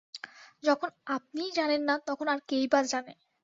যখন আপনিই জানেন না তখন আর কেই বা জানে।